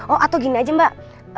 oh atau gini aja mbak